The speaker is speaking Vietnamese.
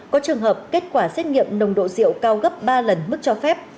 có trường hợp kết quả xét nghiệm nồng độ rượu cao gấp ba lần mức cho phép